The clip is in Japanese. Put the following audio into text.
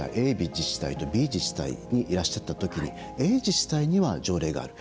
自治体とＢ自治体にいらっしゃったときにＡ自治体には条例がある。